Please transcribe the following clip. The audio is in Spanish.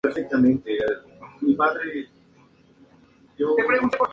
Es un fosfato hidratado de sodio, calcio, hierro y manganeso.